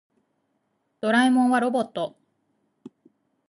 ドラえもんはロボット。